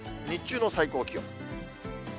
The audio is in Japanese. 日中の最高気温。